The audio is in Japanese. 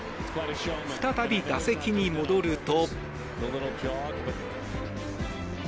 再び打席に戻ると。